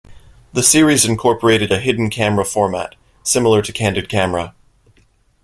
The series incorporated a "hidden camera" format similar to "Candid Camera".